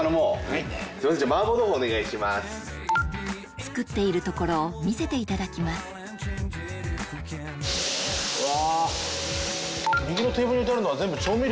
作っているところを見せていただきますうわ！